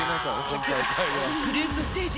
グループステージ